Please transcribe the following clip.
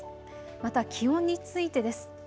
また気温についてです。